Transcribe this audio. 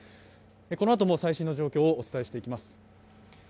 このあとも最新の状況をお伝えしていきます。